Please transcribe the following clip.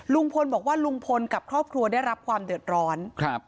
ลุงพลบอกว่าลุงพลกับครอบครัวได้รับความเดือดร้อนครับ